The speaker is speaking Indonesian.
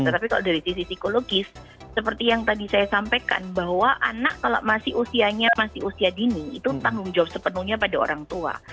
tetapi kalau dari sisi psikologis seperti yang tadi saya sampaikan bahwa anak kalau masih usianya masih usia dini itu tanggung jawab sepenuhnya pada orang tua